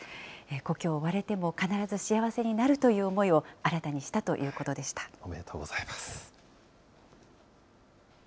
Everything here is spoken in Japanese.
故郷を追われても必ず幸せになるという思いを新たにしたというこおめでとうございます。